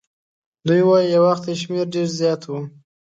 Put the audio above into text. دوی وایي یو وخت یې شمیر ډېر زیات وو.